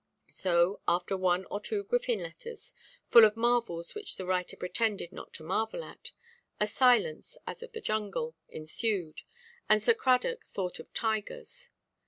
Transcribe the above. So, after one or two Griffin letters, full of marvels which the writer pretended not to marvel at, a silence, as of the jungle, ensued, and Sir Cradock thought of tigers.